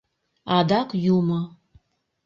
Адак юмо...